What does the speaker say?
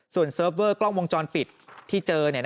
ส่วนเซิร์ฟเวอร์กล้องวงจรปิดที่เจอเนี่ย